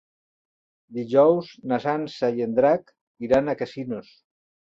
Dijous na Sança i en Drac iran a Casinos.